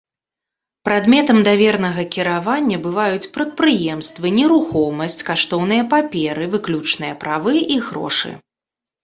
Прадметам давернага кіравання бываюць прадпрыемствы, нерухомасць, каштоўныя паперы, выключныя правы і грошы.